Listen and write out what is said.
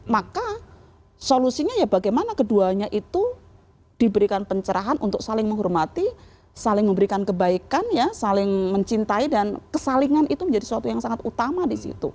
maka solusinya ya bagaimana keduanya itu diberikan pencerahan untuk saling menghormati saling memberikan kebaikan ya saling mencintai dan kesalingan itu menjadi sesuatu yang sangat utama disitu